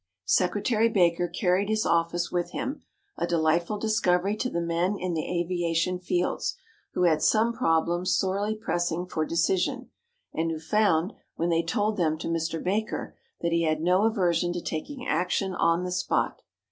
] Secretary Baker carried his office with him, a delightful discovery to the men in the aviation fields, who had some problems sorely pressing for decision, and who found, when they told them to Mr. Baker, that he had no aversion to taking action on the spot.